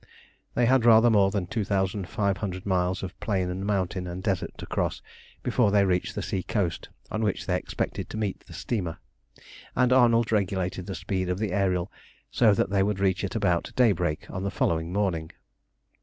They had rather more than 2500 miles of plain and mountain and desert to cross, before they reached the sea coast on which they expected to meet the steamer, and Arnold regulated the speed of the Ariel so that they would reach it about daybreak on the following morning.